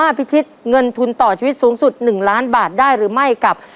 ครอบครัวของแม่ปุ้ยจังหวัดสะแก้วนะครับ